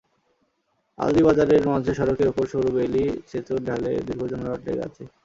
আলদীবাজারের মাঝে সড়কের ওপর সরু বেইলি সেতুর ঢালে দীর্ঘ যানজট লেগে আছে।